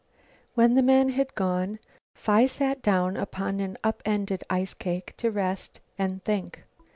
When the man had gone, Phi sat down upon an up ended ice cake to rest and think.